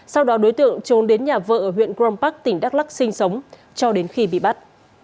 sau đó đối tượng trốn đến nhà vợ ở huyện grom park tỉnh đắk lắc sinh sống cho đến khi bị bắt